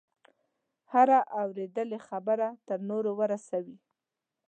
هره اورېدلې خبره تر نورو ورسوي.